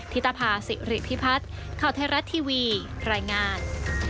ธิตภาษิริพิพัฒน์ข่าวไทยรัฐทีวีรายงาน